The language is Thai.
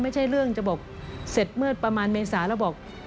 ไม่ใช่เรื่องจะบอกเสร็จเมื่อประมาณเมษาแล้วบอก